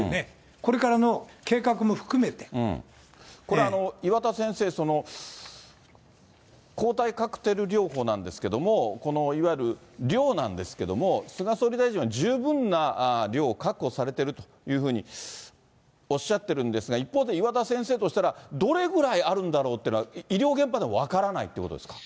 これから、計画も含めて、これ、あの、岩田先生、抗体カクテル療法なんですけど、このいわゆる量なんですけども、菅総理大臣は十分な量を確保されてるというふうにおっしゃってるんですが、一方で岩田先生としたら、どれぐらいあるんだろうっていうのは、医療現場でも分からないっていうことですか？